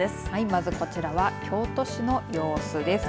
まずこちらは京都市の様子です。